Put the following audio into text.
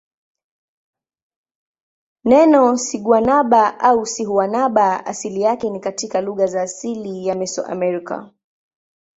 Neno siguanaba au sihuanaba asili yake ni katika lugha za asili za Mesoamerica.